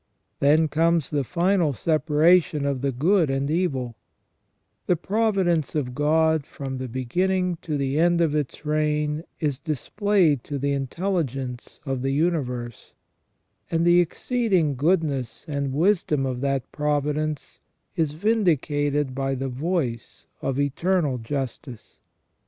Then comes the final separa tion of the good and evil ; the providence of God from the beginning to the end of its reign is displayed to the intelligence » of the universe ; and the exceeding goodness and wisdom of that providence is vindicated by the voice of Eternal Justice.